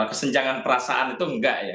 kesenjangan perasaan itu enggak ya